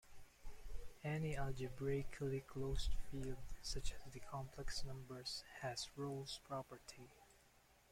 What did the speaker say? Any algebraically closed field such as the complex numbers has Rolle's property.